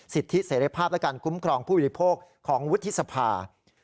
สิทธิเสรีภาพและการคุ้มครองผู้บริโภคของวุฒิสภา